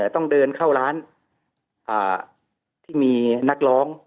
ต้องเดินเข้าร้านที่มีนักร้อง